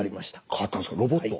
変わったんですかロボット。